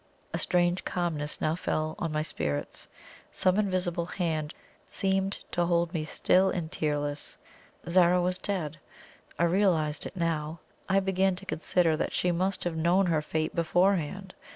A strange calmness now fell on my spirits. Some invisible hand seemed to hold me still and tearless. Zara was dead. I realized it now. I began to consider that she must have known her fate beforehand.